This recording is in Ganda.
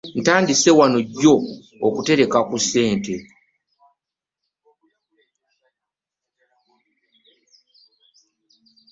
Ntandise wano jjo okutereka ku ssente.